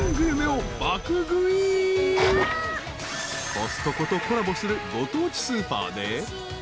［コストコとコラボするご当地スーパーで］